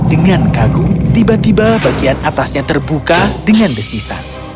dengan kagum tiba tiba bagian atasnya terbuka dengan desisan